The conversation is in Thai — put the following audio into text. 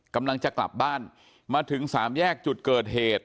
กำลังจะกลับบ้านมาถึงสามแยกจุดเกิดเหตุ